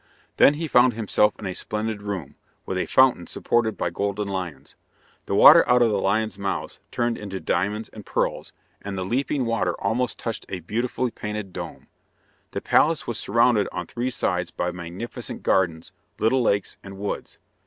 Then he found himself in a splendid room, with a fountain supported by golden lions. The water out of the lions' mouths turned into diamonds and pearls, and the leaping water almost touched a most beautifully painted dome. The palace was surrounded on three sides by magnificent gardens, little lakes, and woods.